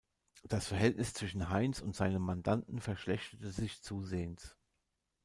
Das Verhältnis zwischen Heins und seinem Mandanten verschlechterte sich zusehends.